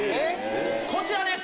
こちらです！